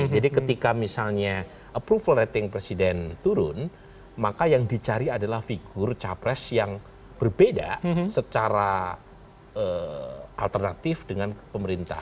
jadi ketika misalnya approval rating presiden turun maka yang dicari adalah figur capres yang berbeda secara alternatif dengan pemerintah